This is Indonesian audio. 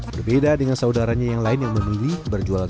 berbeda dengan saudaranya yang lain yang memilih berjualan